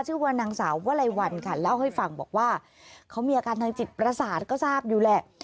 ชื่อว่านางสาววลัยวันค่ะเล่าให้ฟังบอกว่าเขามีอาการทางจิตประสาทก็ทราบอยู่แหละ